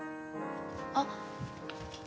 あっ。